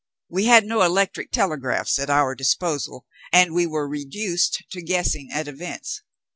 We had no electric telegraphs at our disposal, and we were reduced to guessing at events.